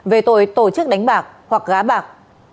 về tội tổ chức đánh bạc hoặc gá bạc